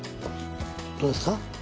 どうですか？